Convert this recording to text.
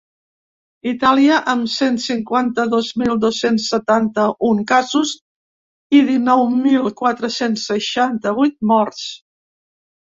Itàlia, amb cent cinquanta-dos mil dos-cents setanta-un casos i dinou mil quatre-cents seixanta-vuit morts.